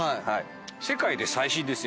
世界で最新ですよ。